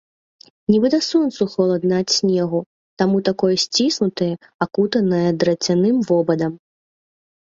Нібыта сонцу холадна ад снегу, таму такое сціснутае, акутае драцяным вобадам.